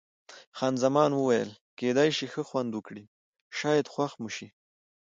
خان زمان وویل: کېدای شي ښه خوند وکړي، شاید خوښ مو شي.